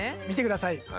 見てください。